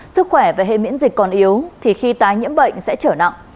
sức khỏe và hệ miễn dịch còn yếu thì khi tái nhiễm bệnh sẽ trở nặng